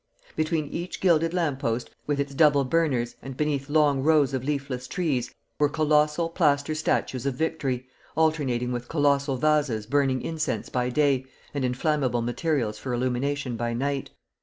Between each gilded lamp post, with its double burners, and beneath long rows of leafless trees, were colossal plaster statues of Victory, alternating with colossal vases burning incense by day, and inflammable materials for illumination by night.